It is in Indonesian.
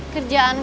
kerjaan kayak gini